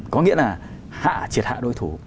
có nghĩa là hạ triệt hạ đối thủ